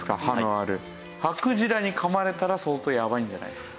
ハクジラに噛まれたら相当やばいんじゃないですか？